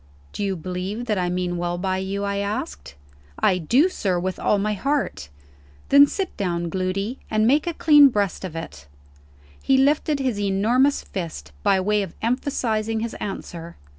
"Do you believe that I mean well by you?" I asked. "I do, sir, with all my heart." "Then sit down, Gloody, and make a clean breast of it." He lifted his enormous fist, by way of emphasizing his answer.